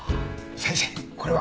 先生これは？